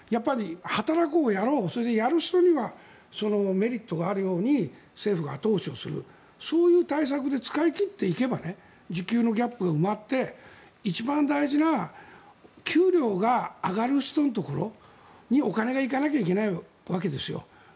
働こう、やろうそれでやる人にはメリットがあるように政府が後押しをするそういう対策で使い切っていけば需給のギャップが埋まって一番大事な給料が上がる人のところにお金がいかなきゃいけないわけですよ。